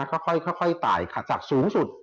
เข้าค่อยต่ายจากสูงสุด